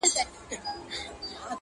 • پر ملخ یې سترګي نه سوای پټولای -